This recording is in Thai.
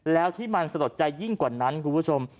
แล้วที่มันสะลดใจยิ่งกว่านั้นคุณผู้ชม